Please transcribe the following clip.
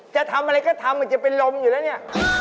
จะทำอะไรก็ทำมันจะเป็นลมอยู่แล้วเนี่ย